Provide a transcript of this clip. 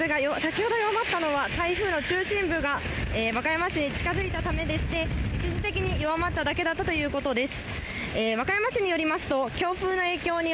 雨風が先ほど弱まったのは台風の中心部が和歌山市に近づいたためですね、弱まっただけだったということです。